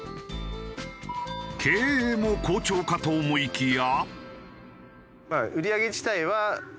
経営も好調かと思いきや。